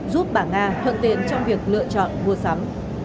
giúp bà nga thuận tiện trong việc lựa chọn mua sắm